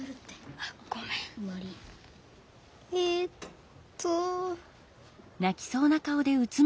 えっと。